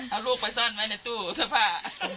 เอาลูกไปซ่อนไว้ในตู้เสื้อผ้า